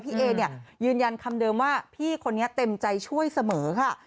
เอเนี่ยยืนยันคำเดิมว่าพี่คนนี้เต็มใจช่วยเสมอค่ะ